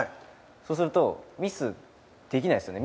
そうするとミスできないですよね。